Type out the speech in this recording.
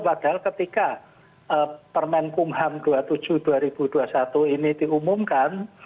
padahal ketika permen kumham dua puluh tujuh dua ribu dua puluh satu ini diumumkan